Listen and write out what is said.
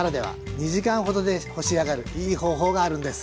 ２時間ほどで干し上がるいい方法があるんです。